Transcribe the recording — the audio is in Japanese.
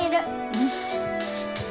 うん。